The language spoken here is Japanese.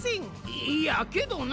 いいやけどな。